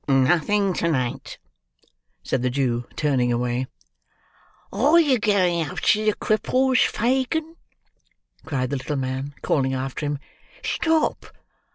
"Nothing to night," said the Jew, turning away. "Are you going up to the Cripples, Fagin?" cried the little man, calling after him. "Stop!